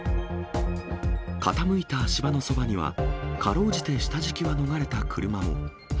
傾いた足場のそばには、かろうじて下敷きは逃れた車も。